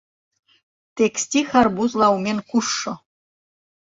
Тек стих арбузла умен кушшо!